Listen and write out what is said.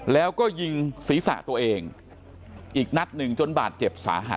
แล้วก็ยิงศีรษะตัวเองอีกนัดหนึ่งจนบาดเจ็บสาหัส